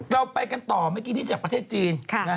เราไปกันต่อเมื่อกี้นี้จากประเทศจีน